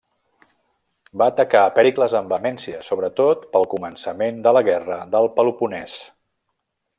Va atacar a Pèricles amb vehemència sobretot pel començament de la guerra del Peloponès.